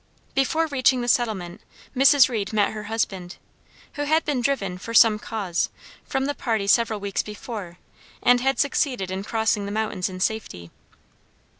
Before reaching the settlement Mrs. Reed met her husband, who had been driven, for some cause, from the party several weeks before, and had succeeded in crossing the mountains in safety.